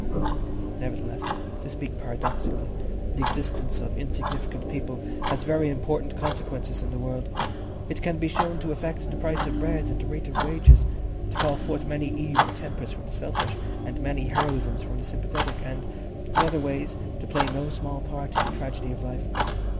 Nevertheless, to speak paradoxically, the existence of insignificant people has very important consequences in the world. It can be shown to affect the price of bread and the rate of wages, to call forth many evil tempers from the selfish and many heroisms from the sympathetic, and, in other ways, to play no small part in the tragedy of life.